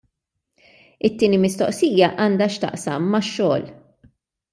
It-tieni mistoqsija għandha x'taqsam max-xogħol.